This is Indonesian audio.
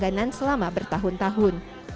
bangganan selama bertahun tahun